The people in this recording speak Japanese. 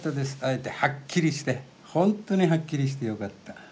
会えてはっきりしてほんとにはっきりしてよかった。